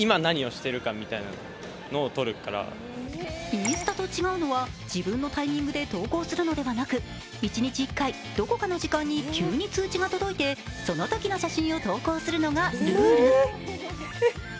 インスタと違うのは自分のタイミングで投稿するのではなく一日１回、どこかの時間に急に通知が届いてそのときの写真を投稿するのがルール。